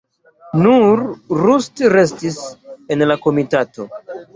Nur Rust restis en la komitato.